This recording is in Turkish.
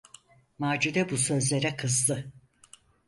Macide bu sözlere kızdı.